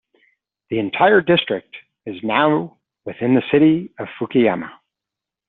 The entire district is now within the city of Fukuyama.